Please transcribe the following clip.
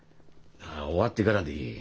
なら終わってからでいい。